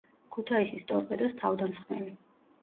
ქუთაისის „ტორპედოს“ თავდამსხმელი.